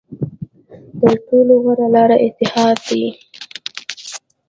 تر ټولو غوره لاره اتحاد دی.